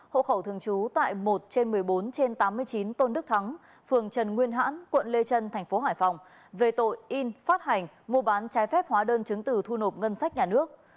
hộ khẩu thường trú tại một trên một mươi bốn trên tám mươi chín tôn đức thắng phường trần nguyên hãn quận lê trân tp hải phòng về tội in phát hành mua bán trái phép hóa đơn chứng từ thu nộp ngân sách nhà nước